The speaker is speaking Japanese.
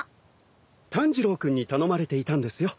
炭治郎君に頼まれていたんですよ。